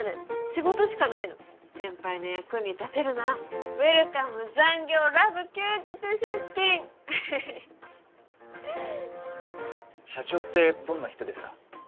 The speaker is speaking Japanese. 仕事しかないの先輩の役に立てるならウエルカム残業ラブ休日出勤！社長ってどんな人ですか？